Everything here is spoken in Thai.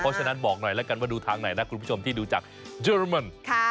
เพราะฉะนั้นบอกหน่อยแล้วกันว่าดูทางไหนนะคุณผู้ชมที่ดูจากเยอรมัน